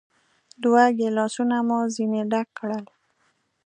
دوه ګیلاسونه مو ځینې ډک کړل.